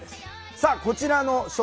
さあこちらの小説